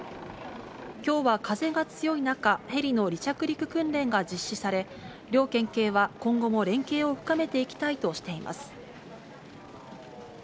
きょうは風が強い中、ヘリの離着陸訓練が実施され、両県警は今後も連携を深めていきたいとしています。